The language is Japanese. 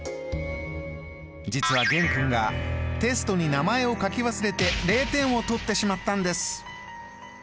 実は玄君がテストに名前を書き忘れて０点を取ってしまったんです！